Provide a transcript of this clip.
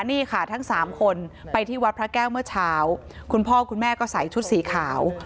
นี่ค่ะทั้งสามคนไปที่วัดพระแก้วเมื่อเช้าคุณพ่อคุณแม่ก็ใส่ชุดสีขาว